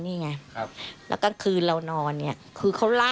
ได้นำเรื่องราวมาแชร์ในโลกโซเชียลจึงเกิดเป็นประเด็นอีกครั้ง